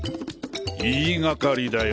言いがかりだよ。